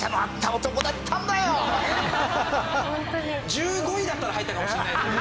１５位だったら入ったかもしれないですね。